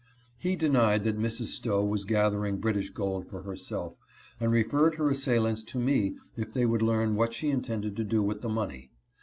He denied that Mrs. Stowe was gathering British gold for herself and referred her assailants to me if they would learn what she intended to do with the money.